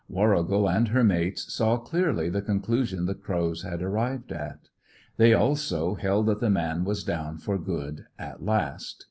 Warrigal and her mates saw clearly the conclusion the crows had arrived at. They, also, held that the man was down for good at last.